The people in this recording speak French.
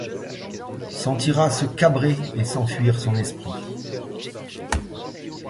Sentira se cabrer et s'enfuir son esprit.